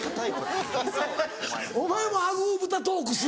お前もアグー豚トークする？